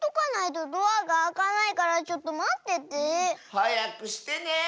はやくしてね！